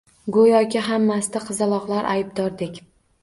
Go`yoki, hammasiga qizaloqlar aybdordek